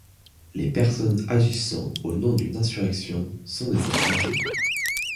Les personnes agissant au nom d'une insurrection sont des insurgés.